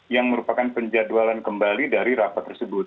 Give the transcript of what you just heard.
yang merupakan penjadwalan kembali dari rapat tersebut